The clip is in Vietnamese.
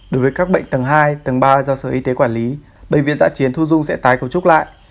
đối với các bệnh tầng hai tầng ba do sở y tế quản lý bệnh viện giã chiến thu dung sẽ tái cấu trúc lại